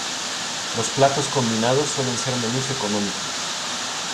Los platos combinados suelen ser menús económicos.